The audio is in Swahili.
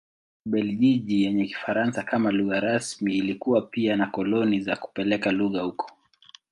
Ubelgiji yenye Kifaransa kama lugha rasmi ilikuwa pia na koloni na kupeleka lugha huko.